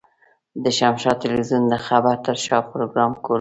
د شمشاد ټلوېزيون د خبر تر شا پروګرام کوربه.